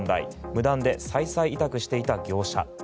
無断で再々委託していた業者。